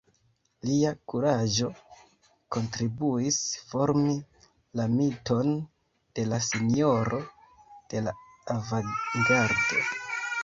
Lia kuraĝo kontribuis formi la miton de la «Sinjoro de la Avangardo».